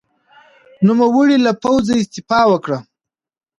نوموړي له پوځه استعفا وکړه.